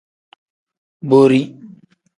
Borii.